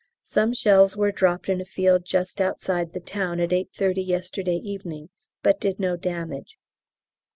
Some shells were dropped in a field just outside the town at 8.30 yesterday evening but did no damage.